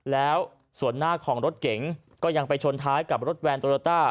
แล้วส่วนหน้าของรถเก๋งก็ยังไปชนท้ายกับรถแวนโตโยต้า